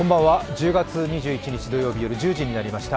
１０月２１日土曜日夜１０時になりました。